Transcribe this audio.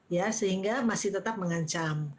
ya sehingga masih tetap mengancam